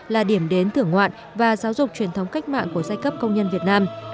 là điểm đến thưởng ngoạn và giáo dục truyền thống cách mạng của giai cấp công nhân việt nam